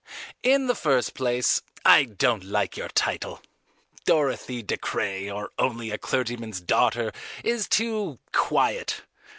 "In the first place, I don't like your title. Dorothy Dacres, or, Only a Clergyman's Daughter is too quiet.